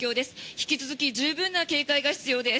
引き続き十分な警戒が必要です。